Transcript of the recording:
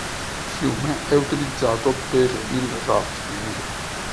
Il fiume è utilizzato per il rafting.